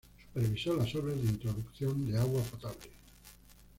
Supervisó las obras de introducción de agua potable.